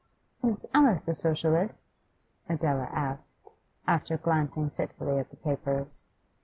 'Is Alice a Socialist?' Adela asked, after glancing fitfully at the papers.